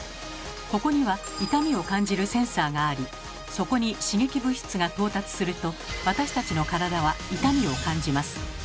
ここには痛みを感じるセンサーがありそこに刺激物質が到達すると私たちの体は痛みを感じます。